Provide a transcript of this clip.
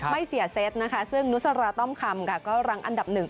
ไม่เสียเซตซึ่งนุษยศราต้อมคำก็รังอันดับ๑